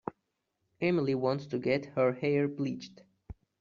Emily wants to get her hair bleached.